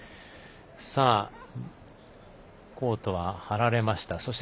コートは張られました。